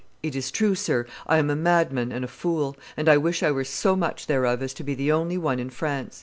"It is true, sir; I am a madman and fool; and I wish I were so much thereof as to be the only one in France."